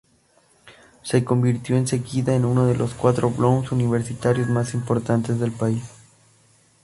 Se convirtió enseguida en uno de los cuatro bowls universitarios más importantes del país.